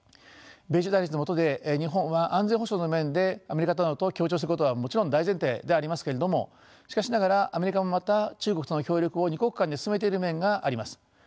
米中対立の下で日本は安全保障の面でアメリカなどと協調することはもちろん大前提でありますけれどもしかしながらアメリカもまた中国との協力を２国間で進めている面があります。